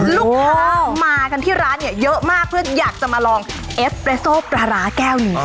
ลูกค้ามากันที่ร้านเนี่ยเยอะมากเพื่ออยากจะมาลองเอสเปรโซ่ปลาร้าแก้วนี้